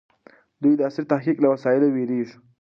دوی د عصري تحقيق له وسایلو وېرېږي.